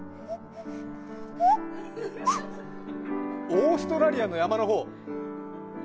オーストラリアの山の方？